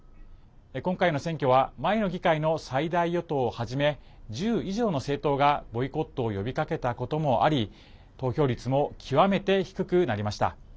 今回の選挙は前の議会の最大与党をはじめ１０以上の政党がボイコットを呼びかけたこともあり投票率も極めて低くなりました。